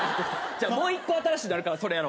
もう１個新しいのあるからそれやろう。